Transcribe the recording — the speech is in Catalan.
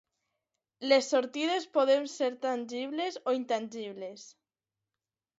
Les sortides poden ser tangibles o intangibles.